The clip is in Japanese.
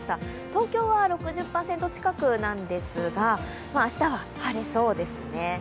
東京は６０％近くなんですが、明日は晴れそうですね。